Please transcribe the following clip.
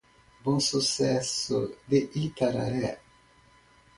Bom Sucesso de Itararé